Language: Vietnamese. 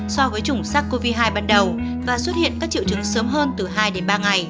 so với chủng sars cov hai ban đầu và xuất hiện các triệu chứng sớm hơn từ hai đến ba ngày